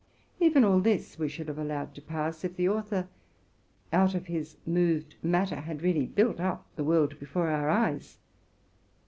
Even all this we should have allowed to pass, if the author, out of his moved matter, had really built up the world before our eyes.